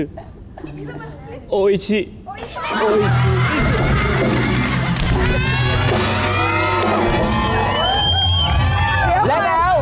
เดี๋ยวค่ะ